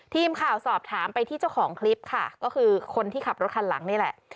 ทีมข่าวสอบถามไปที่เจ้าของคลิปค่ะก็คือคนที่ขับรถคันหลังนี่แหละ